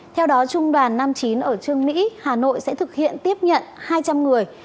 trong đoàn năm mươi chín ở trường nĩ hà nội sẽ thực hiện tiếp nhận hai trăm linh người